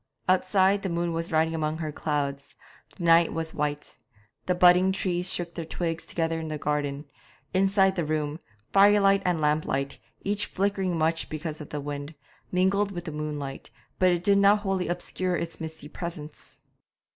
Outside, the moon was riding among her clouds; the night was white. The budding trees shook their twigs together in the garden. Inside the room, firelight and lamplight, each flickering much because of the wind, mingled with the moonlight, but did not wholly obscure its misty presence.